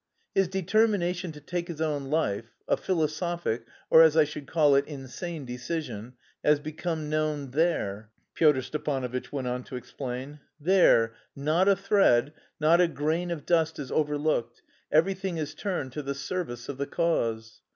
"His determination to take his own life a philosophic, or as I should call it, insane decision has become known there" Pyotr Stepanovitch went on to explain. "There not a thread, not a grain of dust is overlooked; everything is turned to the service of the cause.